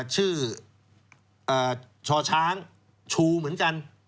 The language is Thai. ชื่อช่อช้างชูเหมือนกัน